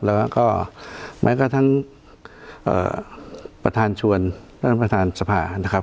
แล้วก็แม้ก็ทั้งเอ่อประธานชวนแล้วท่านสะพะนะครับ